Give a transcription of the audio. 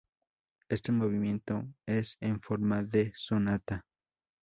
Este movimiento es en forma de sonata.